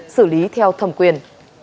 xử lý theo thẩm quyền